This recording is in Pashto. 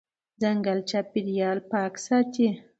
ځنګل چاپېریال پاک ساتي.